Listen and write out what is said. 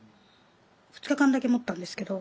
２日間だけ持ったんですけど。